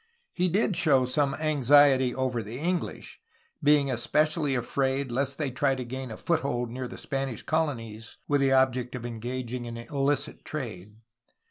He did show some anxiety over the English, being especially afraid lest they try to gain a foothold near the Spanish colonies, with the object of engaging in illicit trade.